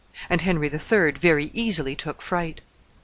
And Henry III. very easily took fright.